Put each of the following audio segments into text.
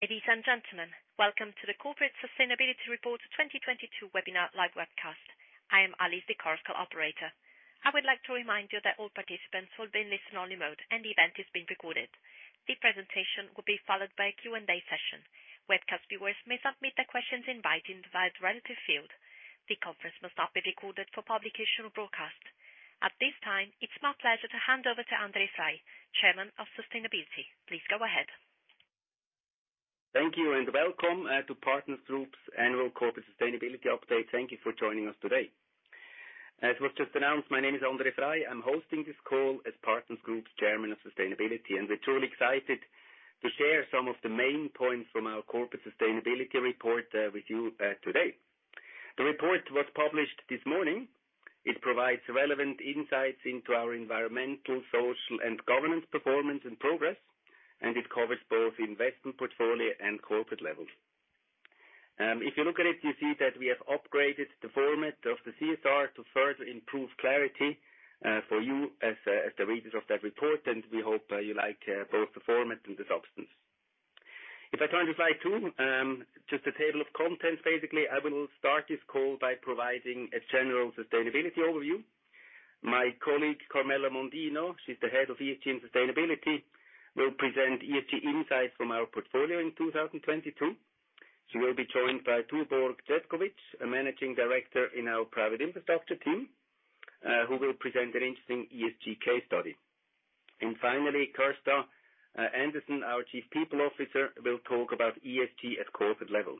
Ladies and gentlemen, welcome to the Corporate Sustainability Report 2022 Webinar Live Webcast. I am Alice, the Chorus Call operator. I would like to remind you that all participants will be in listen only mode and the event is being recorded. The presentation will be followed by a Q&A session. Webcast viewers may submit their questions in writing via the relative field. The conference must not be recorded for publication or broadcast. At this time, it's my pleasure to hand over to André Frei, Chairman of Sustainability. Please go ahead. Thank you, and welcome to Partners Group's Annual Corporate Sustainability Update. Thank you for joining us today. As was just announced, my name is André Frei. I'm hosting this call as Partners Group's Chairman of Sustainability, and we're truly excited to share some of the main points from our corporate sustainability report with you today. The report was published this morning. It provides relevant insights into our environmental, social and governance performance and progress, and it covers both investment portfolio and corporate levels. If you look at it, you see that we have upgraded the format of the CSR to further improve clarity for you as the readers of that report, and we hope you like both the format and the substance. If I turn to slide two, just a table of contents, basically. I will start this call by providing a general sustainability overview. My colleague, Carmela Mondino, she's the Head of ESG and Sustainability, will present ESG insights from our portfolio in 2022. She will be joined by Torborg Chetkovich, a Managing Director in our private infrastructure team, who will present an interesting ESG case study. Finally, Kirsta Anderson, our Chief People Officer, will talk about ESG at corporate level.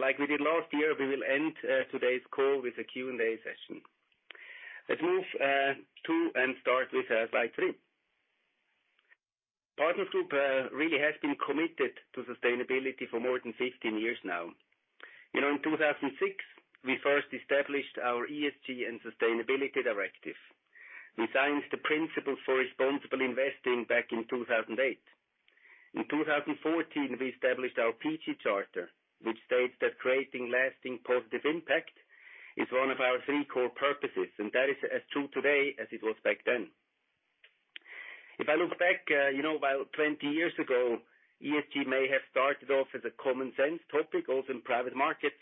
Like we did last year, we will end today's call with a Q&A session. Let's move to and start with slide three. Partners Group really has been committed to sustainability for more than 15 years now. You know, in 2006, we first established our ESG and sustainability directive. We signed the Principles for Responsible Investment back in 2008. In 2014, we established our PG Charter, which states that creating lasting positive impact is one of our three core purposes, and that is as true today as it was back then. If I look back, you know, about 20 years ago, ESG may have started off as a common sense topic, also in private markets.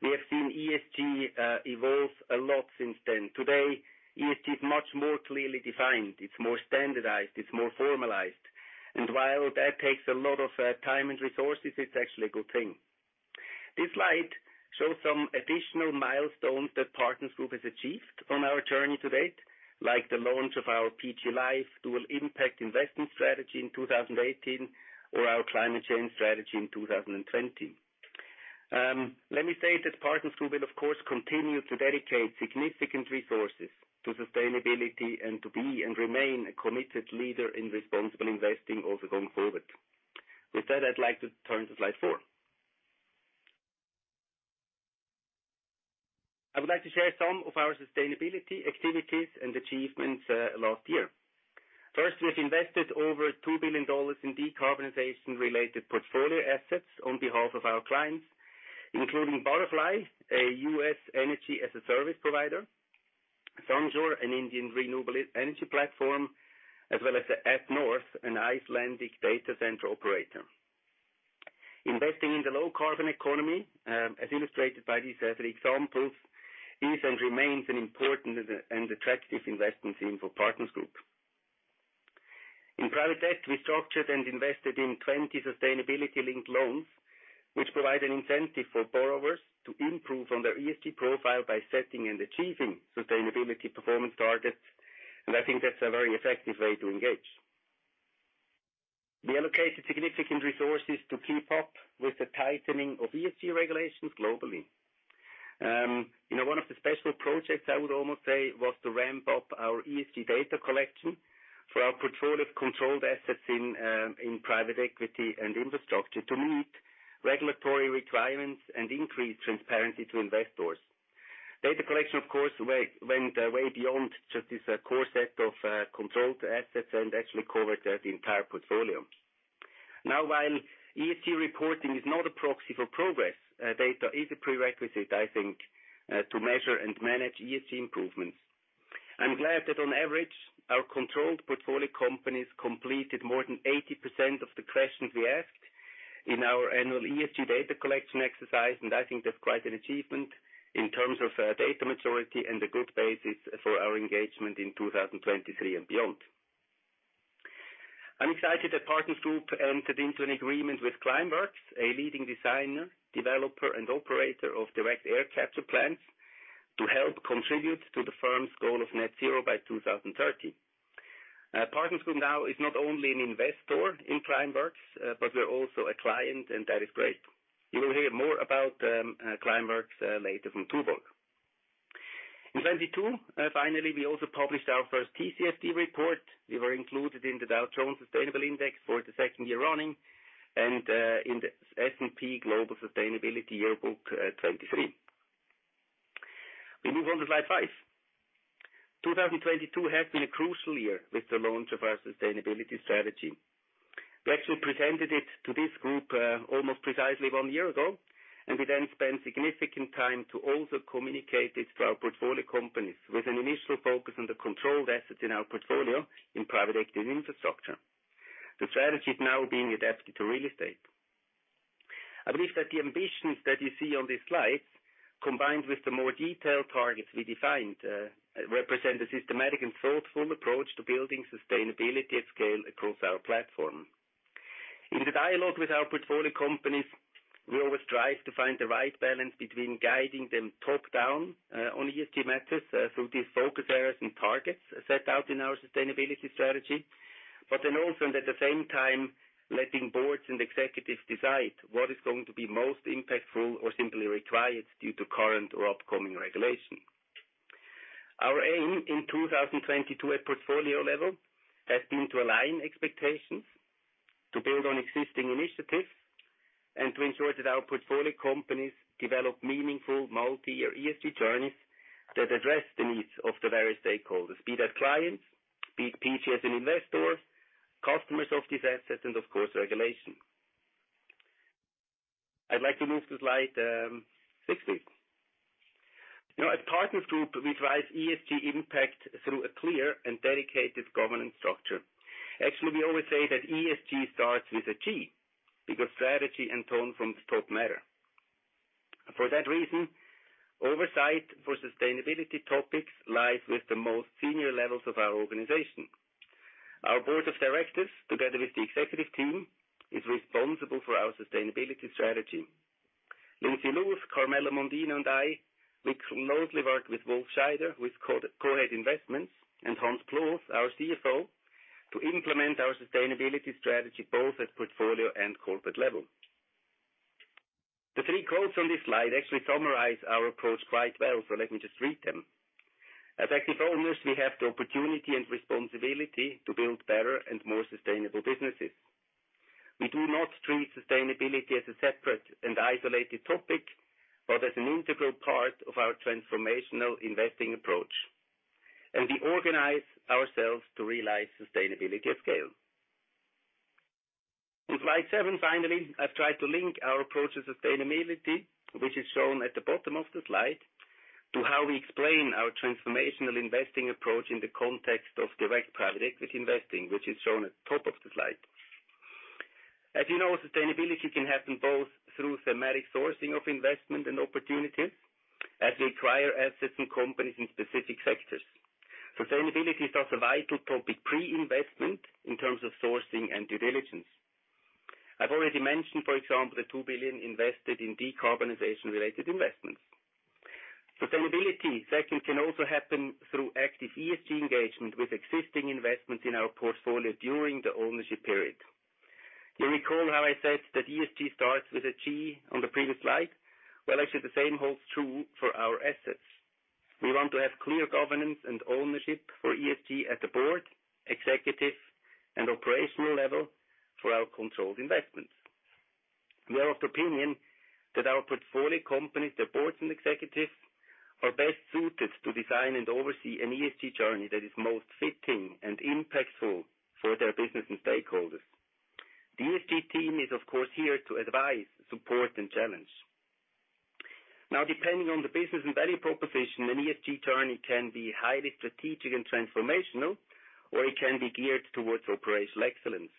We have seen ESG evolve a lot since then. Today, ESG is much more clearly defined, it's more standardized, it's more formalized. While that takes a lot of time and resources, it's actually a good thing. This slide shows some additional milestones that Partners Group has achieved on our journey to date, like the launch of our PG LIFE dual impact investment strategy in 2018, or our climate change strategy in 2020. Let me say that Partners Group will of course, continue to dedicate significant resources to sustainability and to be and remain a committed leader in responsible investing also going forward. I'd like to turn to slide four. I would like to share some of our sustainability activities and achievements last year. First, we've invested over $2 billion in decarbonization-related portfolio assets on behalf of our clients, including Budderfly, a U.S. energy-as-a-service provider, Sunsure, an Indian renewable energy platform, as well as atNorth, an Icelandic data center operator. Investing in the low carbon economy, as illustrated by these three examples, is and remains an important and attractive investment theme for Partners Group. In private debt, we structured and invested in 20 sustainability-linked loans, which provide an incentive for borrowers to improve on their ESG profile by setting and achieving sustainability performance targets. I think that's a very effective way to engage. We allocated significant resources to keep up with the tightening of ESG regulations globally. You know, one of the special projects, I would almost say, was to ramp up our ESG data collection for our portfolio of controlled assets in private equity and infrastructure to meet regulatory requirements and increase transparency to investors. Data collection, of course, went way beyond just this core set of controlled assets and actually covered the entire portfolio. Now, while ESG reporting is not a proxy for progress, data is a prerequisite, I think, to measure and manage ESG improvements. I'm glad that on average, our controlled portfolio companies completed more than 80% of the questions we asked in our annual ESG data collection exercise, and I think that's quite an achievement in terms of data maturity and a good basis for our engagement in 2023 and beyond. I'm excited that Partners Group entered into an agreement with Climeworks, a leading designer, developer and operator of direct air capture plants, to help contribute to the firm's goal of net zero by 2030. Partners Group now is not only an investor in Climeworks, but we're also a client, and that is great. You will hear more about Climeworks later from Torborg. In 2022, finally, we also published our first TCFD report. We were included in the Dow Jones Sustainability Index for the second year running and in the S&P Global Sustainability Yearbook 2023. We move on to slide five. 2022 has been a crucial year with the launch of our sustainability strategy. We actually presented it to this group almost precisely one year ago. We then spend significant time to also communicate this to our portfolio companies with an initial focus on the controlled assets in our portfolio in private active infrastructure. The strategy is now being adapted to real estate. I believe that the ambitions that you see on this slide, combined with the more detailed targets we defined represent a systematic and thoughtful approach to building sustainability at scale across our platform. In the dialogue with our portfolio companies, we always strive to find the right balance between guiding them top-down on ESG matters through these focus areas and targets set out in our sustainability strategy, but then also, and at the same time, letting boards and executives decide what is going to be most impactful or simply required due to current or upcoming regulation. Our aim in 2022 at portfolio level has been to align expectations, to build on existing initiatives, and to ensure that our portfolio companies develop meaningful multi-year ESG journeys that address the needs of the various stakeholders, be that clients, be it PHS and investors, customers of these assets, and of course, regulation. I'd like to move to slide 60. You know, as Partners Group, we drive ESG impact through a clear and dedicated governance structure. Actually, we always say that ESG starts with a T, because strategy and tone from the top matter. For that reason, oversight for sustainability topics lies with the most senior levels of our organization. Our board of directors, together with the executive team, is responsible for our sustainability strategy. Lindsay Lewis, Carmela Mondino, and I, we closely work with Wolf Scheider, who is Co-Head Investments, and Hans Ploos van Amstel, our CFO, to implement our sustainability strategy both at portfolio and corporate level. The three quotes on this slide actually summarize our approach quite well. Let me just read them. As active owners, we have the opportunity and responsibility to build better and more sustainable businesses. We do not treat sustainability as a separate and isolated topic, but as an integral part of our transformational investing approach. We organize ourselves to realize sustainability at scale. In slide seven, finally, I've tried to link our approach to sustainability, which is shown at the bottom of the slide, to how we explain our transformational investing approach in the context of direct private equity investing, which is shown at top of the slide. You know, sustainability can happen both through thematic sourcing of investment and opportunities, as we acquire assets and companies in specific sectors. Sustainability is also a vital topic pre-investment in terms of sourcing and due diligence. I've already mentioned, for example, the $2 billion invested in decarbonization related investments. Sustainability, second, can also happen through active ESG engagement with existing investments in our portfolio during the ownership period. You recall how I said that ESG starts with a G on the previous slide? Actually the same holds true for our assets. We want to have clear governance and ownership for ESG at the board, executive and operational level for our controlled investments. We are of opinion that our portfolio companies, their boards and executives, are best suited to design and oversee an ESG journey that is most fitting and impactful for their business and stakeholders. The ESG team is, of course, here to advise, support, and challenge. Depending on the business and value proposition, an ESG journey can be highly strategic and transformational, or it can be geared towards operational excellence.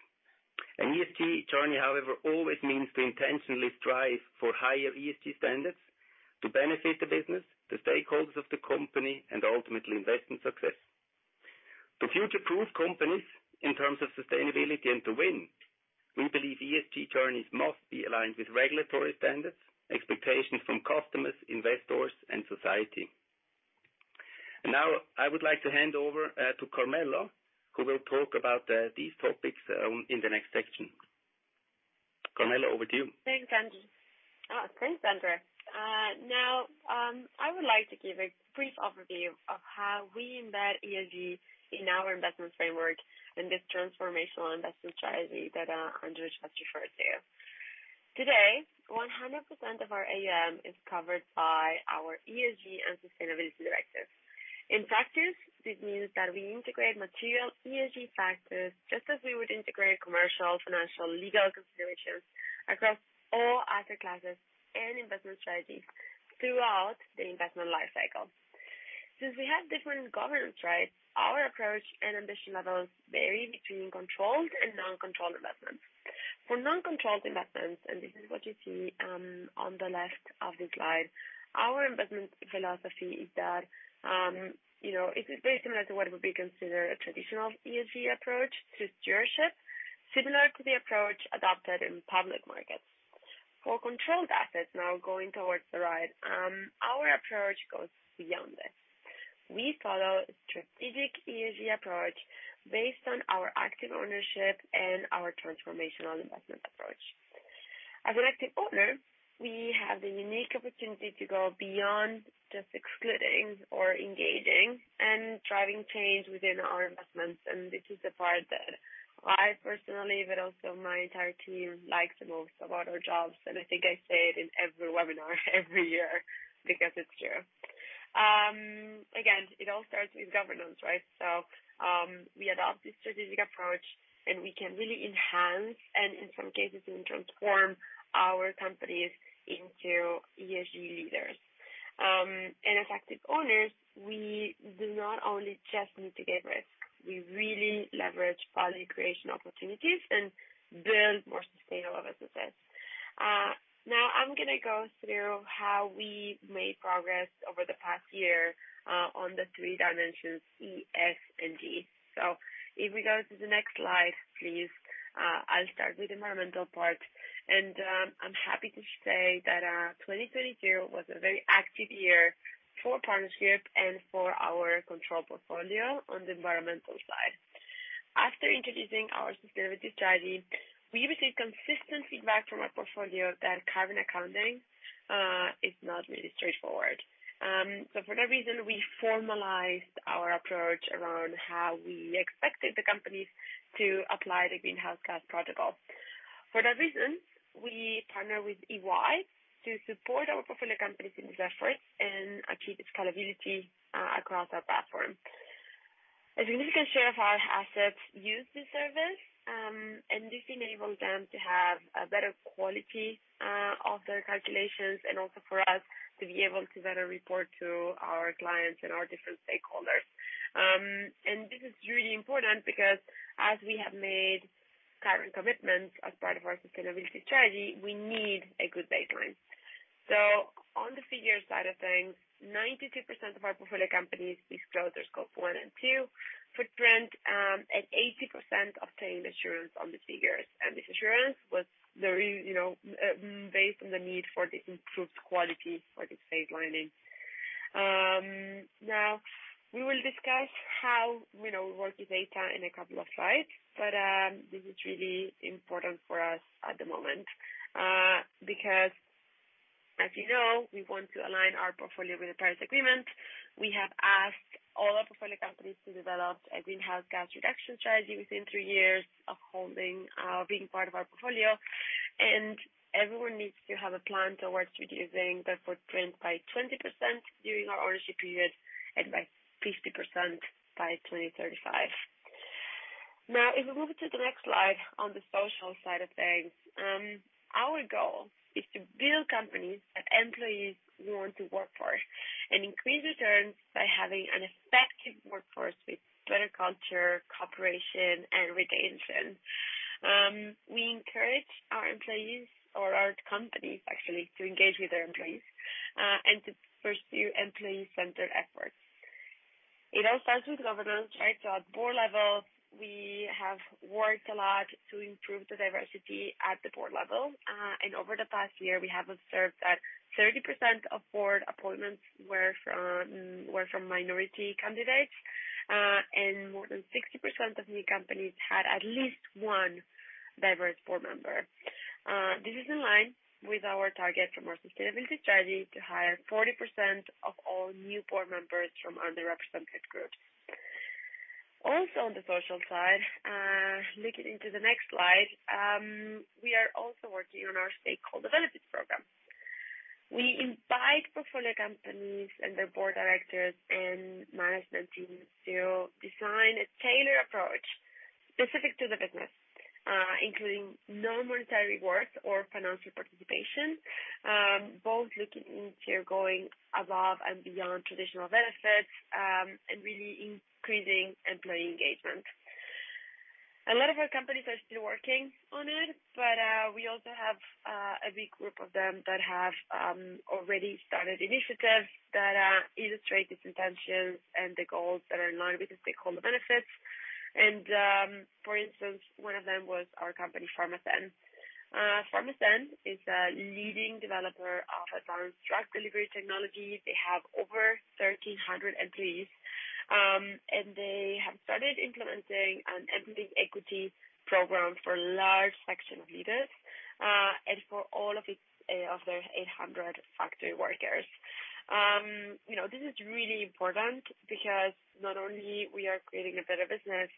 An ESG journey, however, always means to intentionally strive for higher ESG standards to benefit the business, the stakeholders of the company, and ultimately, investment success. To future-proof companies in terms of sustainability and to win, we believe ESG journeys must be aligned with regulatory standards, expectations from customers, investors, and society. I would like to hand over to Carmela, who will talk about these topics in the next section. Carmela, over to you. Thanks, André. Now, I would like to give a brief overview of how we embed ESG in our investment framework and this transformational investment strategy that André has referred to. Today, 100% of our AUM is covered by our ESG and sustainability directive. In practice, this means that we integrate material ESG factors just as we would integrate commercial, financial, legal considerations across all asset classes and investment strategies throughout the investment life cycle. Since we have different governance rights, our approach and ambition levels vary between controlled and non-controlled investments. For non-controlled investments, and this is what you see on the left of the slide, our investment philosophy is that, you know, it is very similar to what would be considered a traditional ESG approach to stewardship, similar to the approach adopted in public markets. For controlled assets now going towards the right, our approach goes beyond this. We follow a strategic ESG approach based on our active ownership and our transformational investment approach. As an active owner, we have the unique opportunity to go beyond just excluding or engaging and driving change within our investments. This is the part that I personally, but also my entire team likes the most about our jobs. I think I say it in every webinar every year because it's true. Again, it all starts with governance, right? We adopt this strategic approach and we can really enhance and in some cases even transform our companies into ESG leaders. As active owners, we do not only just mitigate risk, we really leverage value creation opportunities and build more sustainable businesses. Now I'm going to go through how we made progress over the past year on the three dimensions E, S, and G. If we go to the next slide, please, I'll start with the environmental part. I'm happy to say that 2023 was a very active year for Partners Group and for our control portfolio on the environmental side. After introducing our sustainability strategy, we received consistent feedback from our portfolio that carbon accounting is not really straightforward. For that reason, we formalized our approach around how we expected the companies to apply the Greenhouse Gas Protocol. For that reason, we partnered with EY to support our portfolio companies in this effort and achieve its scalability across our platform. A significant share of our assets use this service, and this enabled them to have a better quality of their calculations and also for us to be able to better report to our clients and our different stakeholders. This is really important because as we have made current commitments as part of our sustainability strategy, we need a good baseline. On the figures side of things, 92% of our portfolio companies disclosed their Scope 1 and 2 footprint, and 80% obtained assurance on the figures. This assurance was very, you know, based on the need for this improved quality for this baselining. Now we will discuss how, you know, we work with data in a couple of slides, but this is really important for us at the moment because as you know, we want to align our portfolio with the Paris Agreement. We have asked all our portfolio companies to develop a greenhouse gas reduction strategy within three years of holding, being part of our portfolio. Everyone needs to have a plan towards reducing their footprint by 20% during our ownership period and by 50% by 2035. If we move to the next slide on the social side of things, our goal is to build companies that employees want to work for and increase returns by having an effective workforce with better culture, cooperation, and retention. We encourage our employees or our companies actually to engage with their employees and to pursue employee-centered efforts. It all starts with governance, right? At board levels, we have worked a lot to improve the diversity at the board level. Over the past year we have observed that 30% of board appointments were from minority candidates and more than 60% of new companies had at least one diverse board member. This is in line with our target from our sustainability strategy to hire 40% of all new board members from underrepresented groups. On the social side, looking into the next slide, we are also working on our stakeholder benefits program. We invite portfolio companies and their board of directors and management teams to design a tailored approach specific to the business, including non-monetary rewards or financial participation, both looking into going above and beyond traditional benefits, and really increasing employee engagement. A lot of our companies are still working on it, but we also have a big group of them that have already started initiatives that illustrate its intentions and the goals that are in line with the stakeholder benefits. For instance, one of them was our company, Pharmathen. Pharmathen is a leading developer of advanced drug delivery technology. They have over 1,300 employees, and they have started implementing an equity program for large section leaders, and for all of its of their 800 factory workers. You know, this is really important because not only we are creating a better business,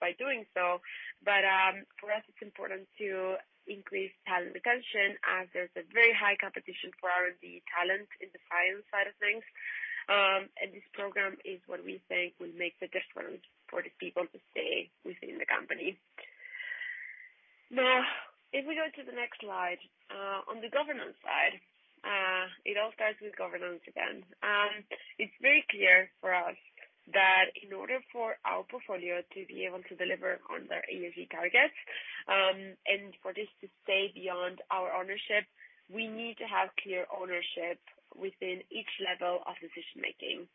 by doing so, but for us it's important to increase talent retention as there's a very high competition for R&D talent in the science side of things. This program is what we think will make the difference for the people to stay within the company. Now, if we go to the next slide. On the governance side, it all starts with governance again. It's very clear for us that in order for our portfolio to be able to deliver on their ESG targets, and for this to stay beyond our ownership, we need to have clear ownership within each level of decision making.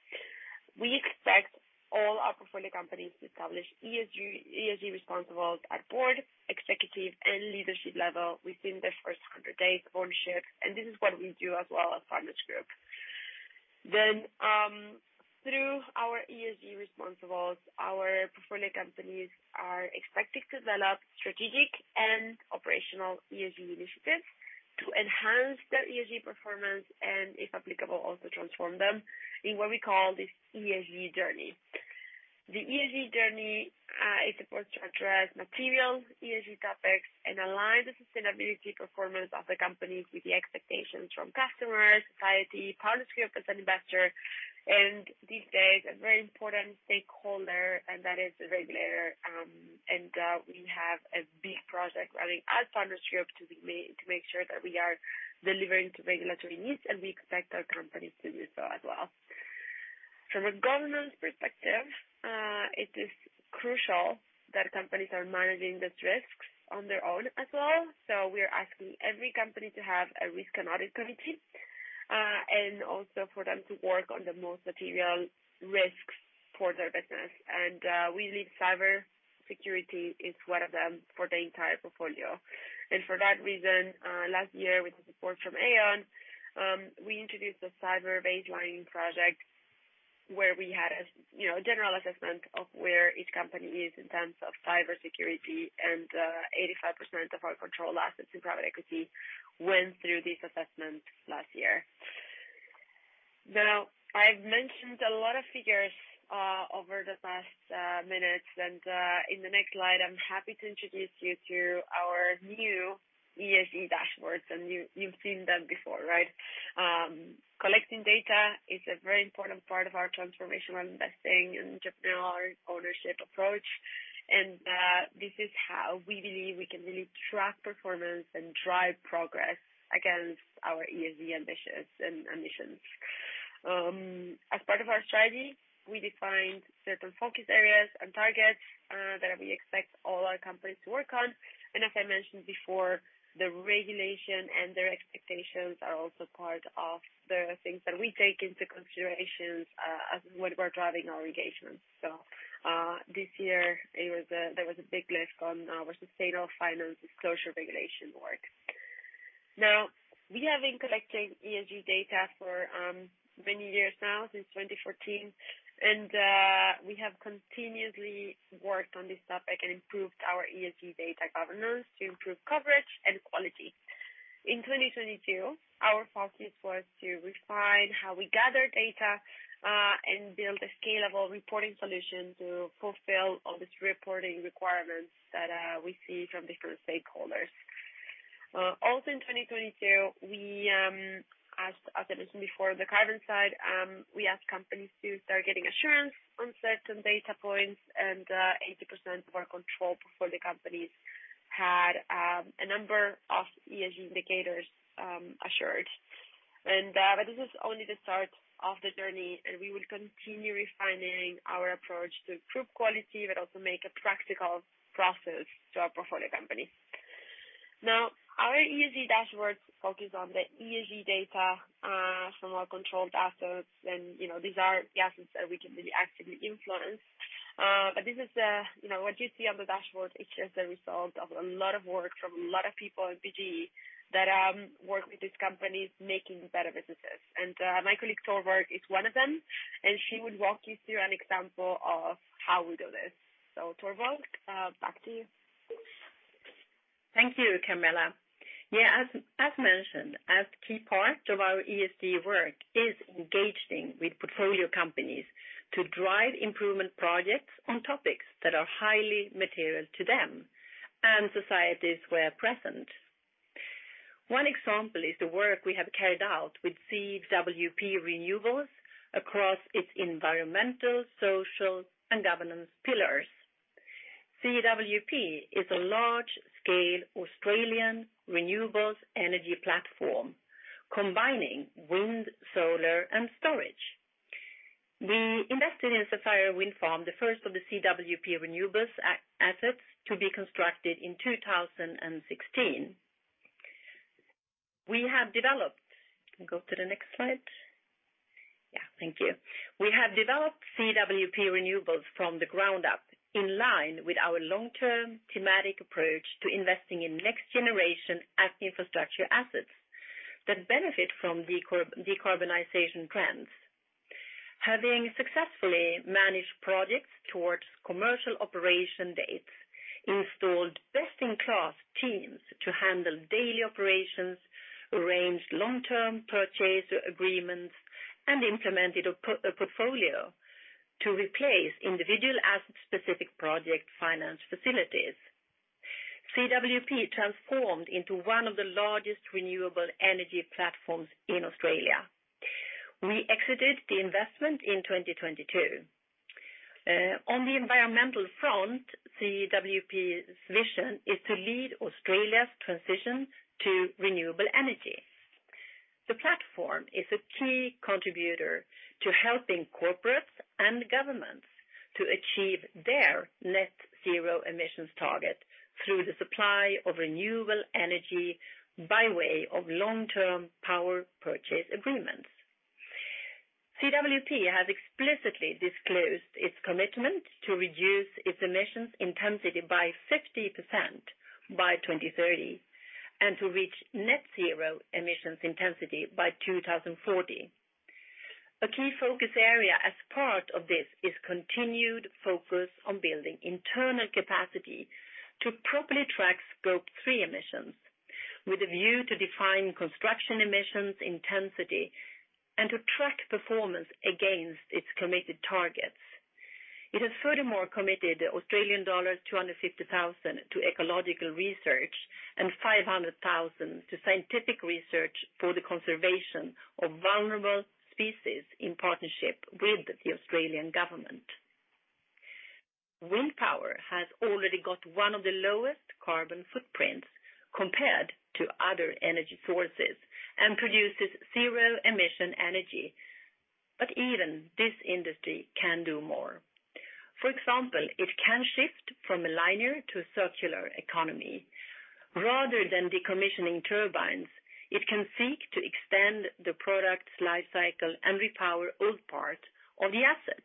We expect all our portfolio companies to establish ESG responsibles at board, executive and leadership level within their first 100 days of ownership. This is what we do as well as Partners Group. Through our ESG responsibles, our portfolio companies are expected to develop strategic and operational ESG initiatives to enhance their ESG performance and if applicable also transform them in what we call this ESG journey. The ESG journey is supposed to address material ESG topics and align the sustainability performance of the company with the expectations from customers, society, Partners Group as an investor, and these days a very important stakeholder, and that is the regulator, and we have a big project running at Partners Group to make sure that we are delivering to regulatory needs, and we expect our companies to do so as well. From a governance perspective, it is crucial that companies are managing these risks on their own as well. We are asking every company to have a risk and audit committee, and also for them to work on the most material risks for their business. We believe cybersecurity is one of them for the entire portfolio. For that reason, last year, with the support from Aon, we introduced a cyber baseline project where we had a you know, a general assessment of where each company is in terms of cybersecurity and, 85% of our controlled assets in private equity went through this assessment last year. I've mentioned a lot of figures over the past minutes, in the next slide, I'm happy to introduce you to our new ESG dashboards. You, you've seen them before, right? Collecting data is a very important part of our transformational investing in general, our ownership approach. This is how we believe we can really track performance and drive progress against our ESG ambitions and missions. As part of our strategy, we defined certain focus areas and targets that we expect all our companies to work on. As I mentioned before, the regulation and their expectations are also part of the things that we take into considerations as when we're driving our engagement. This year there was a big lift on our Sustainable Finance Disclosure Regulation work. We have been collecting ESG data for many years now, since 2014, and we have continuously worked on this topic and improved our ESG data governance to improve coverage and quality. In 2022, our focus was to refine how we gather data and build a scalable reporting solution to fulfill all these reporting requirements that we see from different stakeholders. Also in 2022, we, as I mentioned before, the carbon side, we asked companies to start getting assurance on certain data points, and 80% were controlled before the companies had a number of ESG indicators assured. This is only the start of the journey, and we will continue refining our approach to improve quality, but also make a practical process to our portfolio company. Now, our ESG dashboards focus on the ESG data from our controlled assets and, you know, these are the assets that we can really actively influence. This is the... You know, what you see on the dashboard, it's just a result of a lot of work from a lot of people at Partners Group that work with these companies making better businesses. My colleague, Torborg, is one of them, and she will walk you through an example of how we do this. Torborg, back to you. Thank you, Carmela. As mentioned, a key part of our ESG work is engaging with portfolio companies to drive improvement projects on topics that are highly material to them and societies where present. One example is the work we have carried out with CWP Renewables across its environmental, social, and governance pillars. CWP is a large-scale Australian renewables energy platform combining wind, solar and storage. We invested in Sapphire Wind Farm, the first of the CWP Renewables assets to be constructed in 2016. Go to the next slide. Thank you. We have developed CWP Renewables from the ground up in line with our long-term thematic approach to investing in next generation infrastructure assets that benefit from decarbonization trends. Having successfully managed projects towards commercial operation dates, installed best-in-class teams to handle daily operations, arranged long-term purchase agreements, and implemented a portfolio to replace individual asset-specific project finance facilities. CWP transformed into one of the largest renewable energy platforms in Australia. We exited the investment in 2022. On the environmental front, CWP's mission is to lead Australia's transition to renewable energy. The platform is a key contributor to helping corporates and governments to achieve their net zero emissions target through the supply of renewable energy by way of long-term power purchase agreements. CWP has explicitly disclosed its commitment to reduce its emissions intensity by 50% by 2030 and to reach net zero emissions intensity by 2040. A key focus area as part of this is continued focus on building internal capacity to properly track Scope 3 emissions. With a view to define construction emissions intensity and to track performance against its committed targets. It has furthermore committed Australian dollars 250,000 to ecological research and 500,000 to scientific research for the conservation of vulnerable species in partnership with the Australian Government. Wind power has already got one of the lowest carbon footprints compared to other energy sources and produces zero emission energy. Even this industry can do more. For example, it can shift from a linear to circular economy. Rather than decommissioning turbines, it can seek to extend the product's life cycle and repower old part of the asset,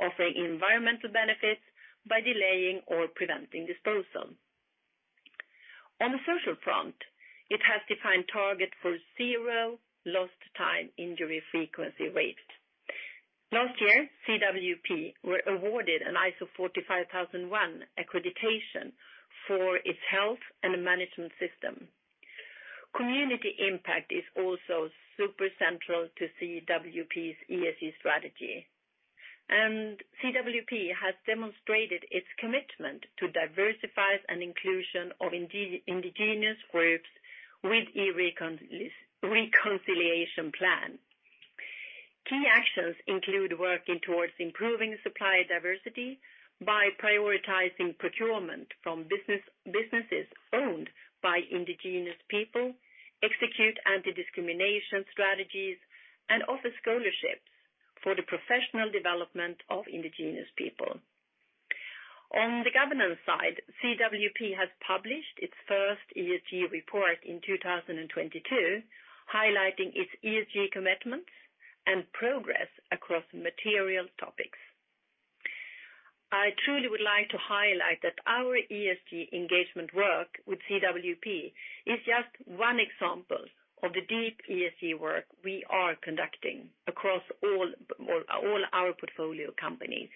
offering environmental benefits by delaying or preventing disposal. On the social front, it has defined target for zero Lost Time Injury Frequency Rate. Last year, CWP were awarded an ISO 45001 accreditation for its health and management system. Community impact is also super central to CWP's ESG strategy, and CWP has demonstrated its commitment to diversity and inclusion of indigenous groups with a reconciliation plan. Key actions include working towards improving supplier diversity by prioritizing procurement from businesses owned by indigenous people, execute anti-discrimination strategies, and offer scholarships for the professional development of indigenous people. On the governance side, CWP has published its first ESG report in 2022, highlighting its ESG commitments and progress across material topics. I truly would like to highlight that our ESG engagement work with CWP is just one example of the deep ESG work we are conducting across all our portfolio companies.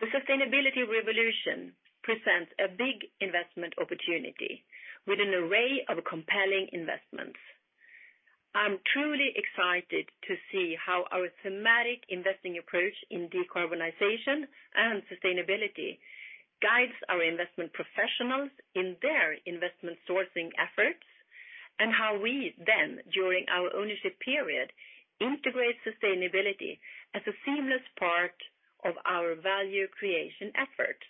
The sustainability revolution presents a big investment opportunity with an array of compelling investments. I'm truly excited to see how our thematic investing approach in decarbonization and sustainability guides our investment professionals in their investment sourcing efforts, and how we then, during our ownership period, integrate sustainability as a seamless part of our value creation efforts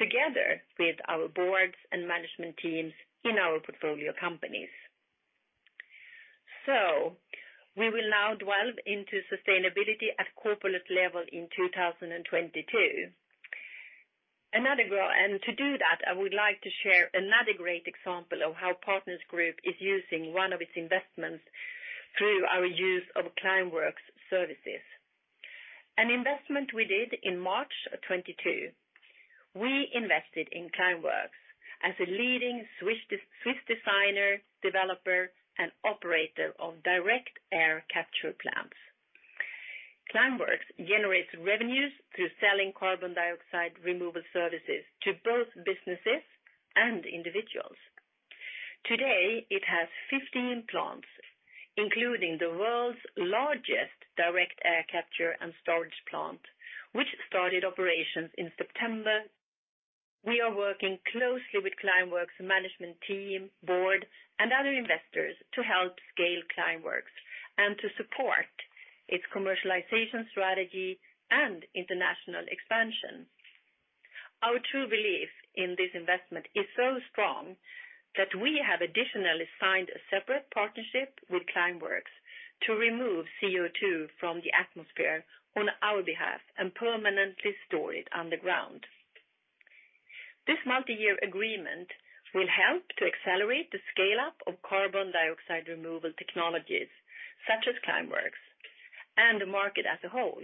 together with our boards and management teams in our portfolio companies. We will now delve into sustainability at corporate level in 2022. Another and to do that, I would like to share another great example of how Partners Group is using one of its investments through our use of Climeworks services. An investment we did in March of 2022. We invested in Climeworks as a leading Swiss designer, developer, and operator of direct air capture plants. Climeworks generates revenues through selling carbon dioxide removal services to both businesses and individuals. Today, it has 15 plants, including the world's largest direct air capture and storage plant, which started operations in September. We are working closely with Climeworks management team, board, and other investors to help scale Climeworks and to support its commercialization strategy and international expansion. Our true belief in this investment is so strong that we have additionally signed a separate partnership with Climeworks to remove CO2 from the atmosphere on our behalf and permanently store it underground. This multi-year agreement will help to accelerate the scale-up of carbon dioxide removal technologies such as Climeworks and the market as a whole.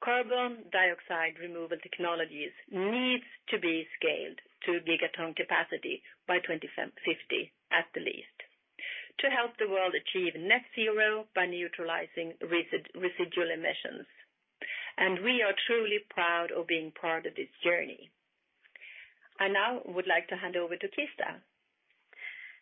Carbon dioxide removal technologies needs to be scaled to gigaton capacity by 2050 at the least to help the world achieve net zero by neutralizing residual emissions. We are truly proud of being part of this journey. I now would like to hand over to Kirsta.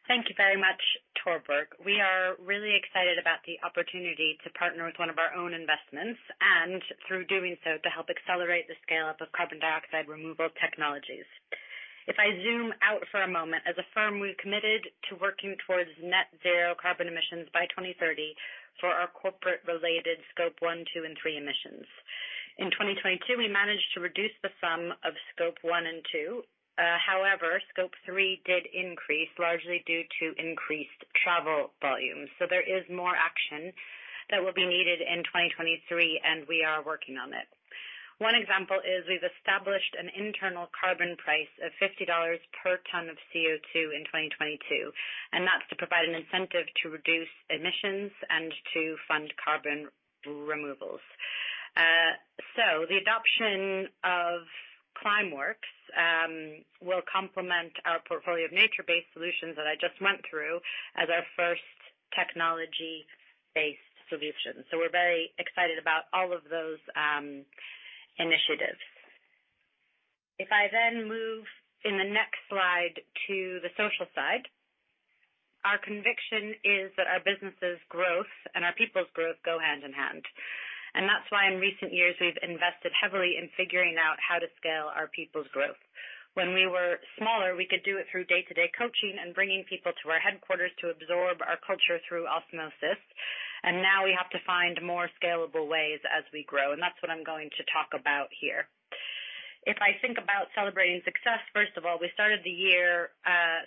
Thank you very much, Torborg. We are really excited about the opportunity to partner with one of our own investments and through doing so to help accelerate the scale-up of carbon dioxide removal technologies. If I zoom out for a moment, as a firm, we've committed to working towards net zero carbon emissions by 2030 for our corporate related Scope 1, 2, and 3 emissions. In 2022, we managed to reduce the sum of Scope 1 and 2. However, Scope 3 did increase largely due to increased travel volumes. There is more action that will be needed in 2023, and we are working on it. One example is we've established an internal carbon price of $50 per ton of CO2 in 2022, and that's to provide an incentive to reduce emissions and to fund carbon removals. The adoption of Climeworks will complement our portfolio of nature-based solutions that I just went through as our first technology-based solution. We're very excited about all of those initiatives. If I move in the next slide to the social side. Our conviction is that our business's growth and our people's growth go hand in hand. That's why in recent years, we've invested heavily in figuring out how to scale our people's growth. When we were smaller, we could do it through day-to-day coaching and bringing people to our headquarters to absorb our culture through osmosis. Now we have to find more scalable ways as we grow, and that's what I'm going to talk about here. If I think about celebrating success, first of all, we started the year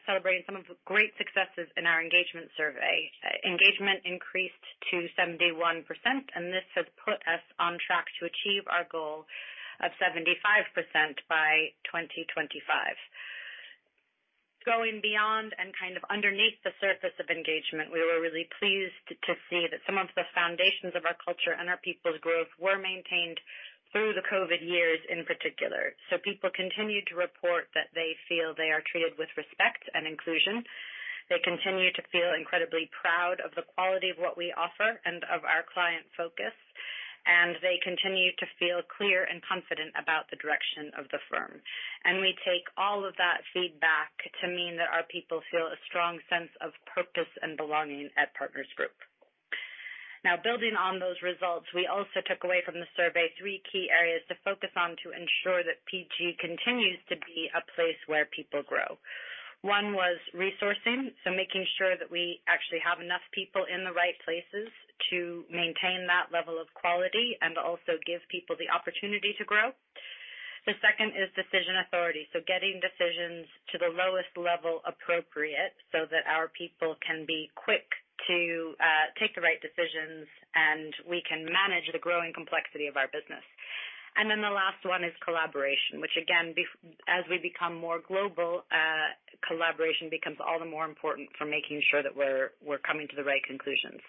celebrating some of the great successes in our engagement survey. Engagement increased to 71%. This has put us on track to achieve our goal of 75% by 2025. Going beyond and kind of underneath the surface of engagement, we were really pleased to see that some of the foundations of our culture and our people's growth were maintained through the COVID years in particular. People continued to report that they feel they are treated with respect and inclusion. They continue to feel incredibly proud of the quality of what we offer and of our client focus, and they continue to feel clear and confident about the direction of the firm. We take all of that feedback to mean that our people feel a strong sense of purpose and belonging at Partners Group. Building on those results, we also took away from the survey three key areas to focus on to ensure that PG continues to be a place where people grow. One was resourcing, so making sure that we actually have enough people in the right places to maintain that level of quality and also give people the opportunity to grow. The second is decision authority, so getting decisions to the lowest level appropriate so that our people can be quick to take the right decisions and we can manage the growing complexity of our business. The last one is collaboration, which again, as we become more global, collaboration becomes all the more important for making sure that we're coming to the right conclusions.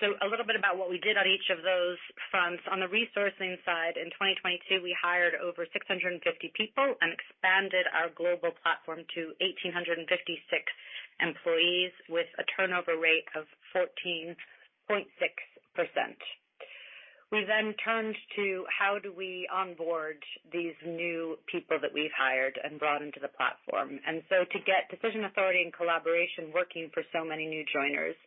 A little bit about what we did on each of those fronts. On the resourcing side, in 2022, we hired over 650 people and expanded our global platform to 1,856 employees with a turnover rate of 14.6%. We turned to how do we onboard these new people that we've hired and brought into the platform. To get decision authority and collaboration working for so many new joiners,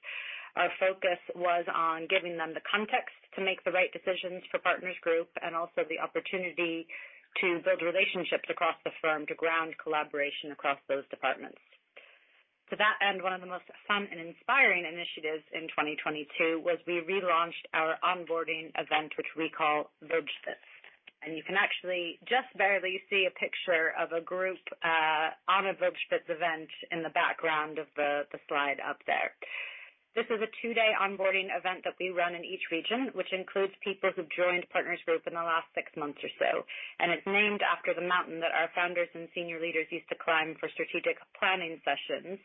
our focus was on giving them the context to make the right decisions for Partners Group and also the opportunity to build relationships across the firm to ground collaboration across those departments. To that end, one of the most fun and inspiring initiatives in 2022 was we relaunched our onboarding event, which we call Wildspitz. You can actually just barely see a picture of a group on a Wildspitz event in the background of the slide up there. This is a 2-day onboarding event that we run in each region, which includes people who've joined Partners Group in the last 6 months or so. It's named after the mountain that our founders and senior leaders used to climb for strategic planning sessions.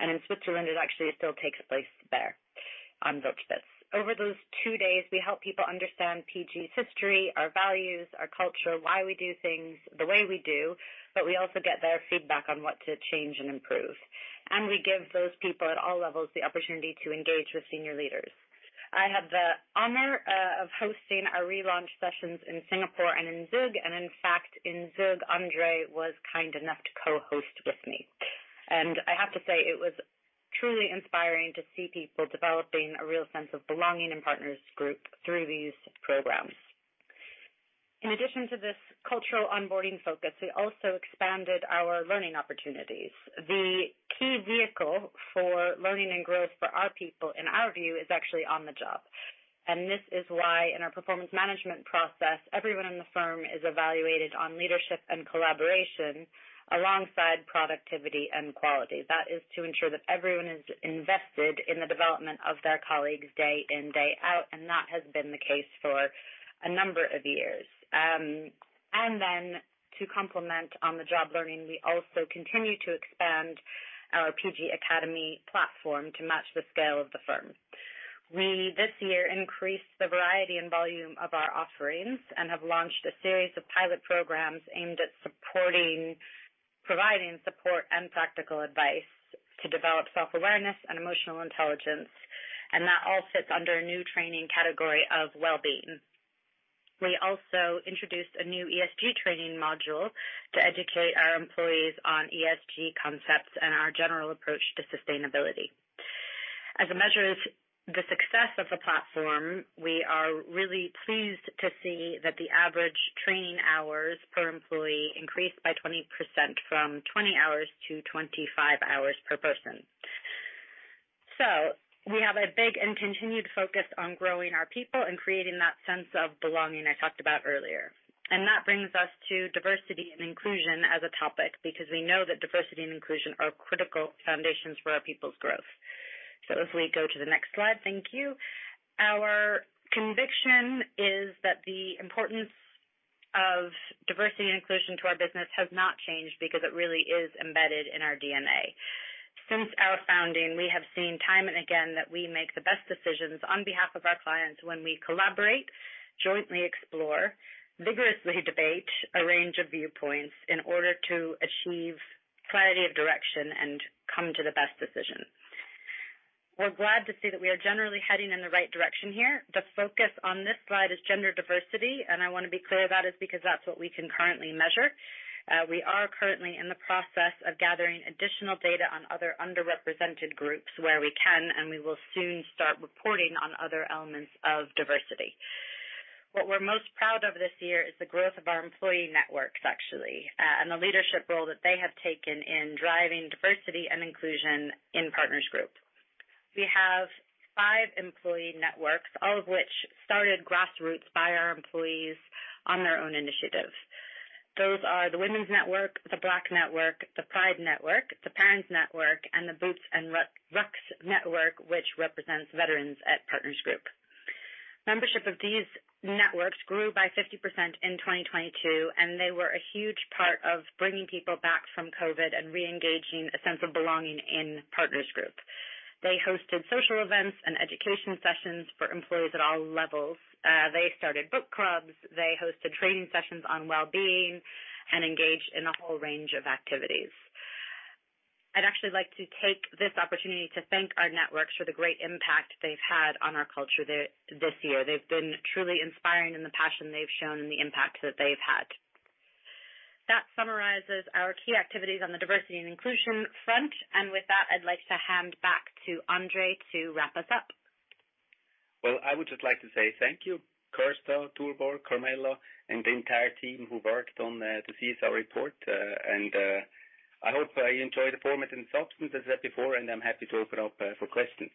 In Switzerland, it actually still takes place there on Wildspitz. Over those 2 days, we help people understand PG's history, our values, our culture, why we do things the way we do, but we also get their feedback on what to change and improve. We give those people at all levels the opportunity to engage with senior leaders. I had the honor of hosting our relaunch sessions in Singapore and in Zug, and in fact, in Zug, André was kind enough to co-host with me. I have to say it was truly inspiring to see people developing a real sense of belonging in Partners Group through these programs. In addition to this cultural onboarding focus, we also expanded our learning opportunities. The key vehicle for learning and growth for our people, in our view, is actually on the job. This is why in our performance management process, everyone in the firm is evaluated on leadership and collaboration alongside productivity and quality. That is to ensure that everyone is invested in the development of their colleagues day in, day out, and that has been the case for a number of years. Then to complement on-the-job learning, we also continue to expand our PG Academy platform to match the scale of the firm. We, this year, increased the variety and volume of our offerings and have launched a series of pilot programs aimed at providing support and practical advice to develop self-awareness and emotional intelligence, and that all sits under a new training category of well-being. We also introduced a new ESG training module to educate our employees on ESG concepts and our general approach to sustainability. As a measure of the success of the platform, we are really pleased to see that the average training hours per employee increased by 20% from 20 hours to 25 hours per person. We have a big and continued focus on growing our people and creating that sense of belonging I talked about earlier. That brings us to diversity and inclusion as a topic because we know that diversity and inclusion are critical foundations for our people's growth. If we go to the next slide, thank you. Our conviction is that the importance of diversity and inclusion to our business has not changed because it really is embedded in our DNA. Since our founding, we have seen time and again that we make the best decisions on behalf of our clients when we collaborate, jointly explore, vigorously debate a range of viewpoints in order to achieve clarity of direction and come to the best decision. We're glad to see that we are generally heading in the right direction here. The focus on this slide is gender diversity, and I wanna be clear about it because that's what we can currently measure. We are currently in the process of gathering additional data on other underrepresented groups where we can, and we will soon start reporting on other elements of diversity. What we're most proud of this year is the growth of our employee networks, actually, and the leadership role that they have taken in driving diversity and inclusion in Partners Group. We have five employee networks, all of which started grassroots by our employees on their own initiative. Those are the Women's Network, the Black Network, the Pride Network, the Parents' Network, and the Boots & Rucks Network, which represents veterans at Partners Group. Membership of these networks grew by 50% in 2022, and they were a huge part of bringing people back from COVID and re-engaging a sense of belonging in Partners Group. They hosted social events and education sessions for employees at all levels. They started book clubs. They hosted training sessions on well-being and engaged in a whole range of activities. I'd actually like to take this opportunity to thank our networks for the great impact they've had on our culture this year. They've been truly inspiring in the passion they've shown and the impact that they've had. That summarizes our key activities on the diversity and inclusion front. With that, I'd like to hand back to André to wrap us up. Well, I would just like to say thank you, Kirsta, Torborg, Carmela, and the entire team who worked on, the CSR report. I hope you enjoy the format and substance, as I said before, and I'm happy to open up, for questions.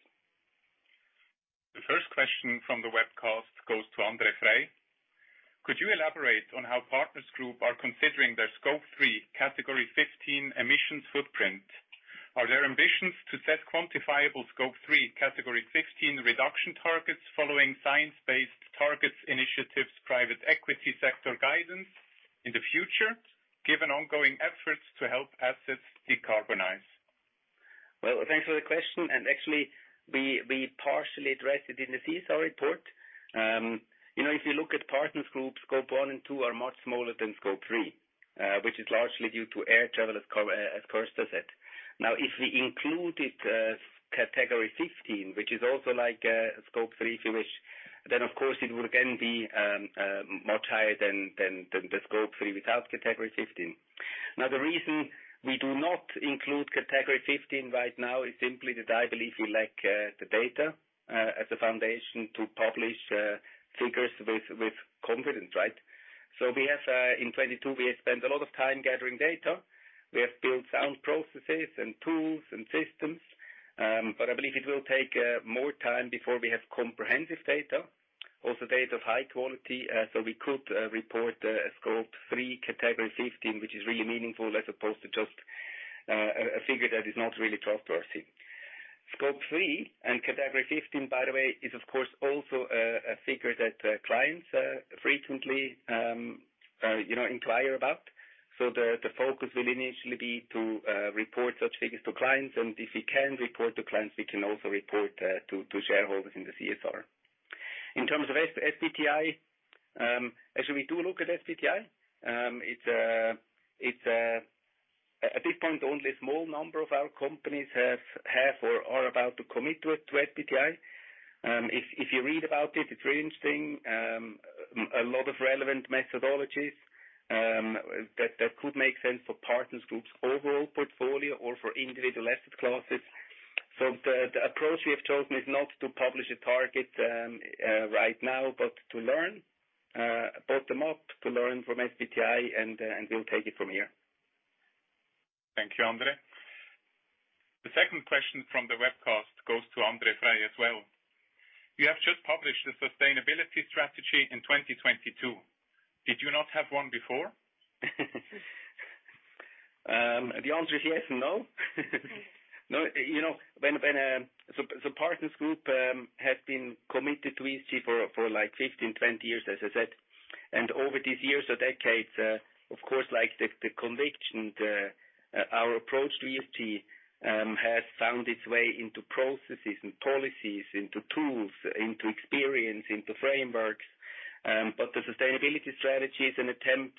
The first question from the webcast goes to André Frei. Could you elaborate on how Partners Group are considering their Scope 3 Category 15 emissions footprint? Are there ambitions to set quantifiable Scope 3 Category 15 reduction targets following science-based targets, initiatives, private equity sector guidance in the future, given ongoing efforts to help assets decarbonize? Thanks for the question, actually, we partially addressed it in the CSR report. You know, if you look at Partners Group, Scope 1 and 2 are much smaller than Scope 3, which is largely due to air travel, as Kirsta said. If we included Category 15, which is also like a Scope 3, if you wish, of course it would again be much higher than the Scope 3 without Category 15. The reason we do not include Category 15 right now is simply that I believe we lack the data as a foundation to publish figures with confidence, right? We have in 2022, we have spent a lot of time gathering data. We have built sound processes and tools and systems. I believe it will take more time before we have comprehensive data. Also data of high quality, so we could report a Scope 3 Category 15, which is really meaningful, as opposed to just a figure that is not really trustworthy. Scope 3 and Category 15, by the way, is of course also a figure that clients frequently, you know, inquire about. The focus will initially be to report such figures to clients, and if we can report to clients, we can also report to shareholders in the CSR. In terms of SBTi, actually, we do look at SBTi. It's a... at this point, only a small number of our companies have or are about to commit to SBTi. If you read about it's very interesting. A lot of relevant methodologies that could make sense for Partners Group's overall portfolio or for individual asset classes. The approach we have chosen is not to publish a target right now, but to learn about the market, to learn from SBTi and we'll take it from here. Thank you, André. The second question from the webcast goes to André Frei as well. You have just published the sustainability strategy in 2022. Did you not have one before? The answer is yes and no. No, you know, when... Partners Group has been committed to ESG for, like, 15, 20 years, as I said. Over these years or decades, of course, like, the conviction, Our approach to ESG has found its way into processes and policies, into tools, into experience, into frameworks. The sustainability strategy is an attempt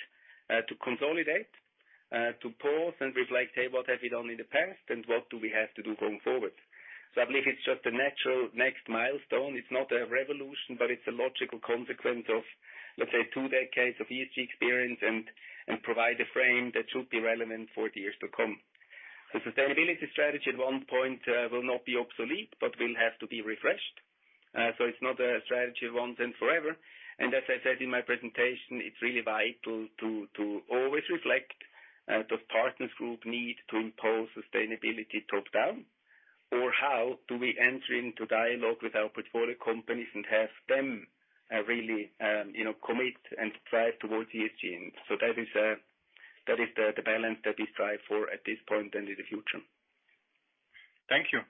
to consolidate, to pause and reflect, say, what have we done in the past, and what do we have to do going forward? I believe it's just a natural next milestone. It's not a revolution, but it's a logical consequence of, let's say, 2 decades of ESG experience and provide a frame that should be relevant for the years to come. The sustainability strategy at one point will not be obsolete, but will have to be refreshed. So it's not a strategy once and forever. As I said in my presentation, it's really vital to always reflect, does Partners Group need to impose sustainability top-down or how do we enter into dialogue with our portfolio companies and have them really, you know, commit and strive towards ESG? That is the balance that we strive for at this point and in the future. Thank you.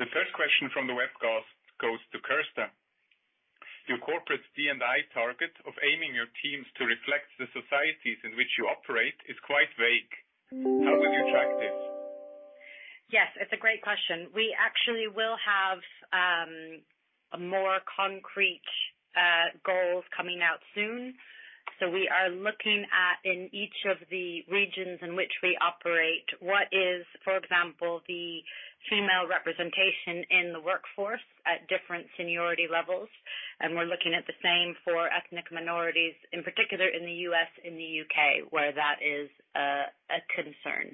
The third question from the webcast goes to Kirsta. Your corporate D&I target of aiming your teams to reflect the societies in which you operate is quite vague. How will you track this? Yes, it's a great question. We actually will have a more concrete coming out soon. We are looking at in each of the regions in which we operate, what is, for example, the female representation in the workforce at different seniority levels. We're looking at the same for ethnic minorities, in particular in the U.S. and the U.K., where that is a concern.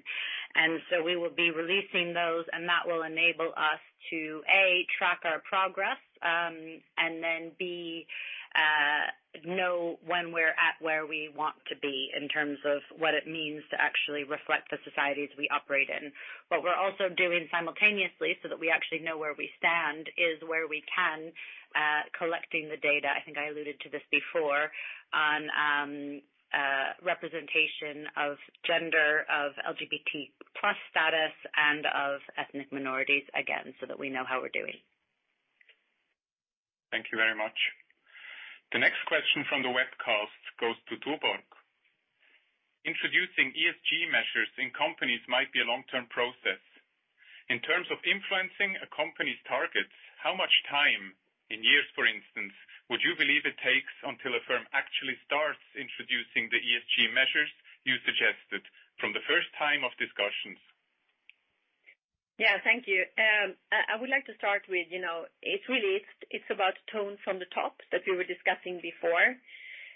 We will be releasing those, and that will enable us to, A, track our progress, and then, B, know when we're at where we want to be in terms of what it means to actually reflect the societies we operate in. What we're also doing simultaneously so that we actually know where we stand is where we can collecting the data, I think I alluded to this before, on representation of gender, of LGBT plus status, and of ethnic minorities, again, so that we know how we're doing. Thank you very much. The next question from the webcast goes to Torborg. Introducing ESG measures in companies might be a long-term process. In terms of influencing a company's targets, how much time, in years, for instance, would you believe it takes until a firm actually starts introducing the ESG measures you suggested from the first time of discussions? Yeah. Thank you. I would like to start with, you know, it's really it's about tone from the top that we were discussing before.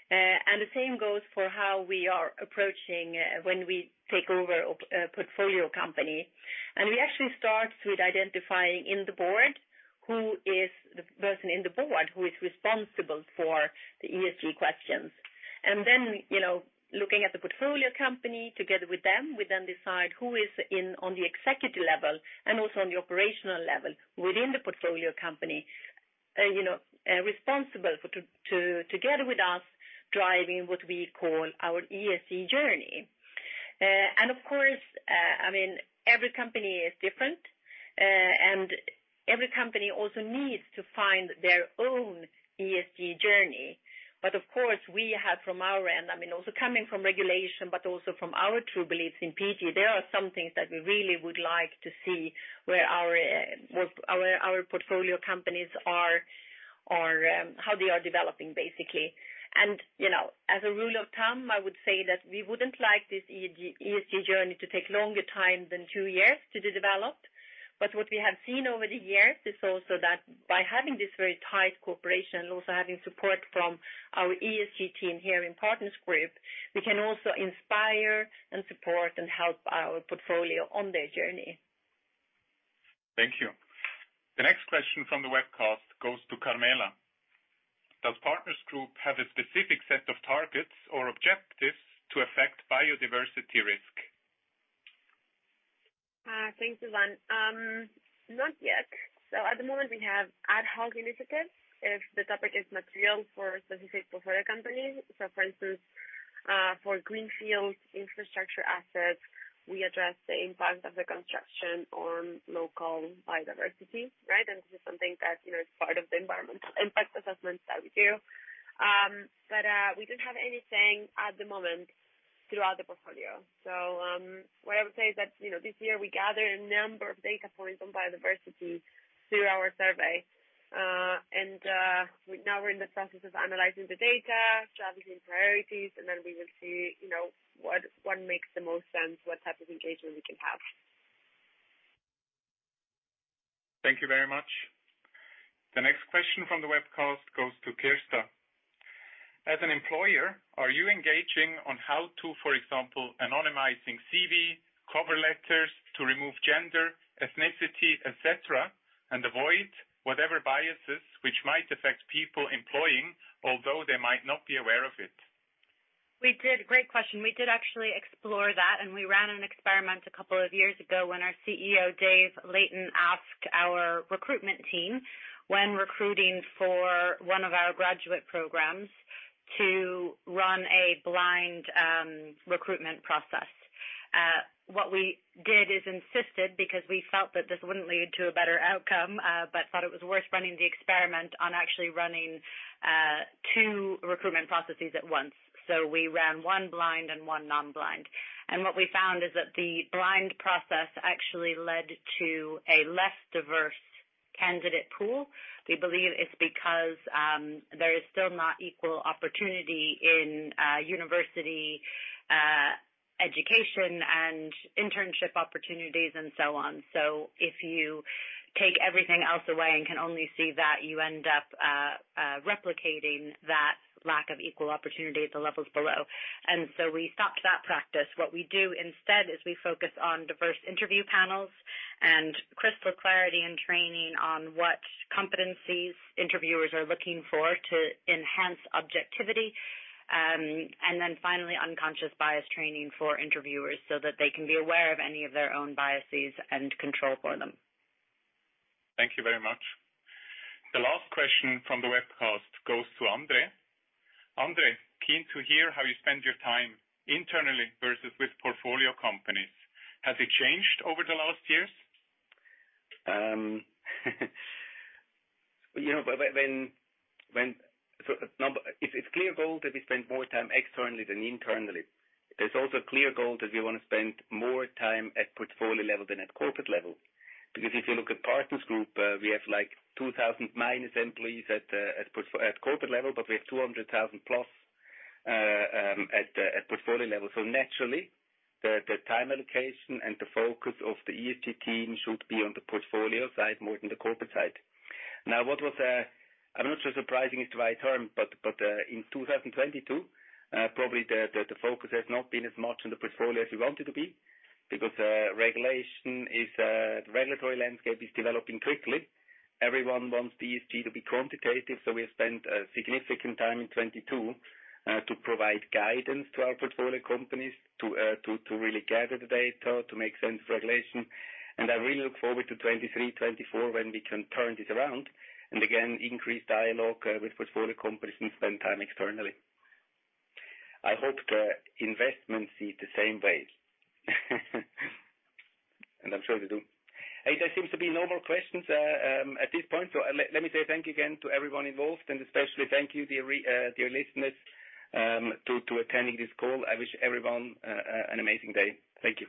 And the same goes for how we are approaching when we take over a portfolio company. And we actually start with identifying in the board who is the person in the board who is responsible for the ESG questions. Then, you know, looking at the portfolio company together with them, we then decide who is in on the executive level and also on the operational level within the portfolio company, you know, responsible for together with us driving what we call our ESG journey. And of course, I mean, every company is different, and every company also needs to find their own ESG journey. Of course, we have from our end, I mean, also coming from regulation, but also from our true beliefs in PG, there are some things that we really would like to see where our portfolio companies are developing, basically. You know, as a rule of thumb, I would say that we wouldn't like this ESG journey to take longer time than two years to develop. What we have seen over the years is also that by having this very tight cooperation, also having support from our ESG team here in Partners Group, we can also inspire and support and help our portfolio on their journey. Thank you. The next question from the webcast goes to Carmela. Does Partners Group have a specific set of targets or objectives to affect biodiversity risk? Thanks, Ivan. Not yet. At the moment, we have ad hoc initiatives if the topic is material for specific portfolio companies. For instance, for greenfield infrastructure assets, we address the impact of the construction on local biodiversity, right? This is something that, you know, is part of the environmental impact assessments that we do. We don't have anything at the moment throughout the portfolio. What I would say is that, you know, this year we gathered a number of data points on biodiversity through our survey. We're in the process of analyzing the data, establishing priorities, and then we will see, you know, what makes the most sense, what type of engagement we can have. Thank you very much. The next question from the webcast goes to Kirsta. As an employer, are you engaging on how to, for example, anonymizing CV, cover letters to remove gender, ethnicity, et cetera, and avoid whatever biases which might affect people employing, although they might not be aware of it? We did. Great question. We did actually explore that. We ran an experiment a couple of years ago when our CEO, David Layton, asked our recruitment team when recruiting for one of our graduate programs to run a blind recruitment process. What we did is insisted because we felt that this wouldn't lead to a better outcome, but thought it was worth running the experiment on actually running two recruitment processes at once. We ran one blind and one non-blind. What we found is that the blind process actually led to a less diverse candidate pool. We believe it's because there is still not equal opportunity in university education and internship opportunities and so on. If you take everything else away and can only see that, you end up replicating that lack of equal opportunity at the levels below. We stopped that practice. What we do instead is we focus on diverse interview panels and crystal clarity and training on what competencies interviewers are looking for to enhance objectivity. Then finally, unconscious bias training for interviewers so that they can be aware of any of their own biases and control for them. Thank you very much. The last question from the webcast goes to André. André, keen to hear how you spend your time internally versus with portfolio companies. Has it changed over the last years? You know, it's a clear goal that we spend more time externally than internally. There's also a clear goal that we wanna spend more time at portfolio level than at corporate level. If you look at Partners Group, we have, like, 2,000 minus employees at corporate level, but we have 200,000 plus at portfolio level. Naturally, the time allocation and the focus of the ESG team should be on the portfolio side more than the corporate side. What was, I'm not sure surprising is the right term, but, in 2022, probably the focus has not been as much on the portfolio as we want it to be because regulation is the regulatory landscape is developing quickly. Everyone wants the ESG to be quantitative. We have spent a significant time in 2022 to provide guidance to our portfolio companies to really gather the data to make sense of regulation. I really look forward to 2023, 2024 when we can turn this around and again increase dialogue with portfolio companies and spend time externally. I hope the investments see it the same way. I'm sure they do. There seems to be no more questions at this point. Let me say thank you again to everyone involved, and especially thank you, dear listeners, to attending this call. I wish everyone an amazing day. Thank you.